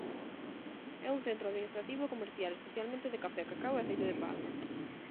É un centro administrativo e comercial, especialmente de café, cacao e aceite de palma.